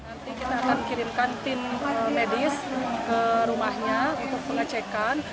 nanti kita akan kirimkan tim medis ke rumahnya untuk pengecekan